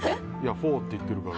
フォーって言ってるから。